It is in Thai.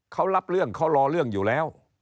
เขารับเรื่องเขารอเรื่องอยู่แล้ว